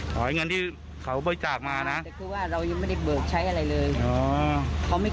อย่างอย่างที่เขาบ่อยจากมานะเรายังไม่ได้เบิกใช้อะไรเลยเขาไม่